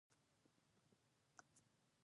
بالاخره علاوالدین له شهزادګۍ حلیمې سره واده وکړ.